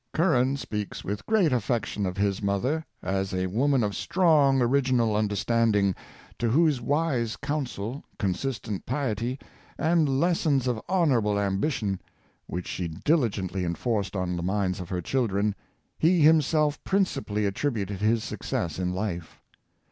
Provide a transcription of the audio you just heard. '^ Curran speaks with great affection of his mother, as a woman of strong original understanding, to whose wise counsel, consistent piety, and lessons of honorable ambition, which she diligently enforced on the minds of her children, he himself principally attributed his success in life.